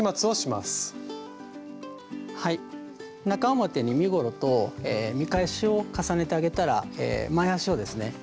中表に身ごろと見返しを重ねてあげたら前端をですね